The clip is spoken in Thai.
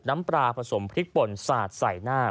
น้ำปลาผสมพริกป่นสาดใส่หน้า